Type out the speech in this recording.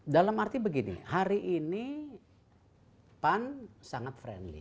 dalam arti begini hari ini pan sangat friendly